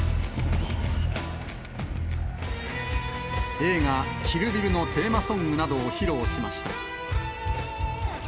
映画、キル・ビルのテーマソングなどを披露しました。